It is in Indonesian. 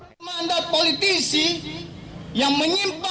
mandat politisi yang menyimpang